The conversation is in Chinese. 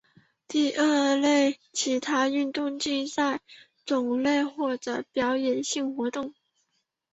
第二类为其他运动竞赛种类或表演性活动。